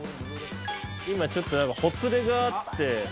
今ちょっとほつれがあって。